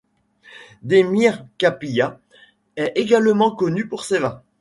Demir Kapiya est également connue pour ses vins.